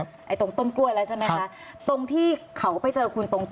วิ่งลงไปไม่กี่ก้าวเอง